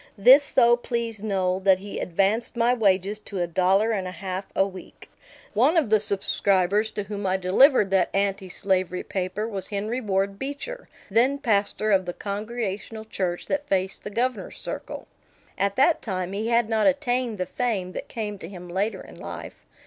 This so pleased Noel that he advanced my wages to a dollar and a half a week. One of the subscribers to whom I delivered that anti slavery paper was Henry Ward Beecher, then pastor of the Congregational Church that faced the Governor's Circle. At that time he had not attained the fame that came to him later in life.